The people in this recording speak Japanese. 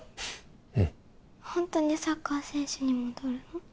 うんホントにサッカー選手に戻るの？